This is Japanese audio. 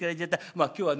まあ今日はね